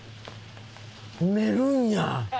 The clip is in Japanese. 寝るんや。